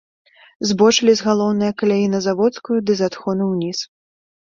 Збочылі з галоўнае каляі на заводскую ды з адхону ўніз.